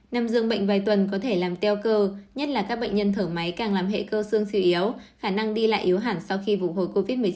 nằm dường bệnh vài tuần có thể làm teo cơ nhất là các bệnh nhân thở máy càng làm hệ cơ xương siêu yếu khả năng đi lại yếu hẳn sau khi phục hồi covid một mươi chín